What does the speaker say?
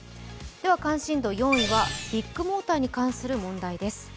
関心度４位はビッグモーターに関する問題です。